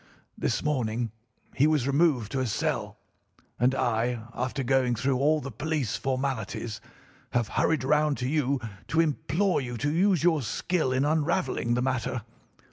This morning he was removed to a cell, and I, after going through all the police formalities, have hurried round to you to implore you to use your skill in unravelling the matter.